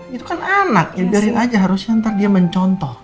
itu kan anak ya biarin aja harusnya ntar dia mencontoh